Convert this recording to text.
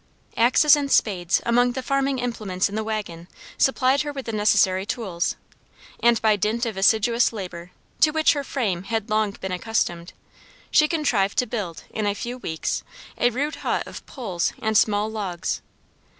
Axes and spades among the farming implements in the wagon supplied her with the necessary tools, and by dint of assiduous labor, to which her frame had long been accustomed, she contrived to build, in a few weeks, a rude hut of poles and small logs.